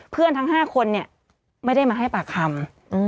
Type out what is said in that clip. ทั้ง๕คนเนี่ยไม่ได้มาให้ปากคำ